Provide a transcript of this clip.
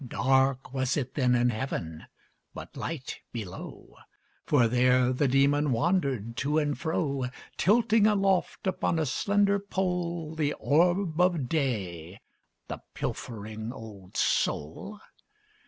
Dark was it then in heaven, but light below; For there the demon wandered to and fro, Tilting aloft upon a slender pole The orb of day the pilfering old soul.